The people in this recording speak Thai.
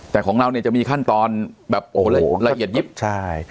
แต่ของเราเนี่ยจะมีขั้นตอนแบบโอ้โหละเอียดยิบใช่